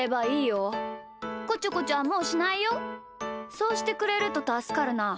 そうしてくれるとたすかるな。